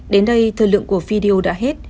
đến đây thời lượng của video đã hết